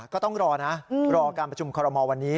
ก็ต้องรอนะรอการประชุมคอรมอลวันนี้